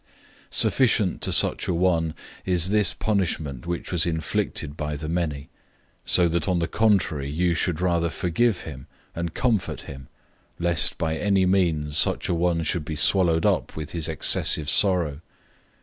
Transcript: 002:006 Sufficient to such a one is this punishment which was inflicted by the many; 002:007 so that on the contrary you should rather forgive him and comfort him, lest by any means such a one should be swallowed up with his excessive sorrow.